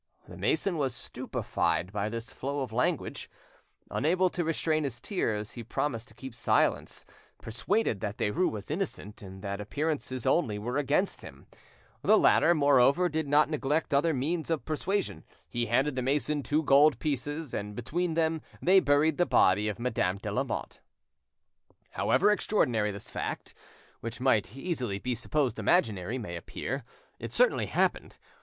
The mason was stupefied by this flow of language. Unable to restrain his tears, he promised to keep silence, persuaded that Derues was innocent, and that appearances only were against him. The latter, moreover, did not neglect other means of persuasion; he handed the mason two gold pieces, and between them they buried the body of Madame de Lamotte. However extraordinary this fact, which might easily be supposed imaginary, may appear, it certainly happened.